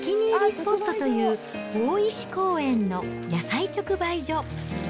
スポットという大石公園の野菜直売所。